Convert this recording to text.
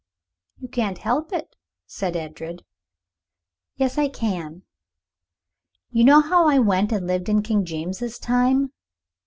"You can't help it," said Edred. "Yes, I can. You know how I went and lived in King James's time.